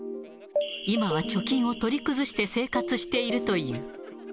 今は貯金を取り崩して生活しているという。